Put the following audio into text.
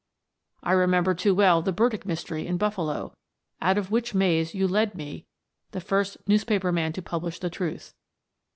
I remember too well the Burdick mystery in Buffalo, out of which maze you led me, the first newspaper man to publish the truth.